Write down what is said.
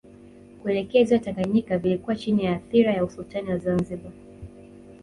Kuelekea Ziwa Tanganyika vilikuwa chini ya athira ya Usultani wa Zanzibar